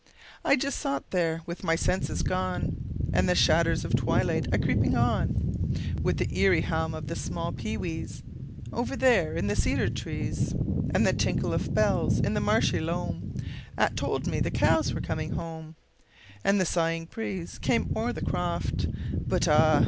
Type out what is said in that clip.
I just sot there with my senses gone, And the shadders of twilight a creepin' on, With the eerie hum of the small pee wees, Over there in the cedar trees, And the tinkle of bells in the marshy loam 'At told me the cows were coming home, And the sighing breeze came o'er the croft, But ah!